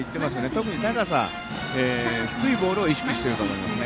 特に高さ、低いボールを意識していると思います。